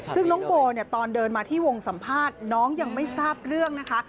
ซึ่งน้องโบเนี่ยตอนเดินมาที่วงสัมภาษณ์น้องยังไม่ทราบเรื่องนะคะ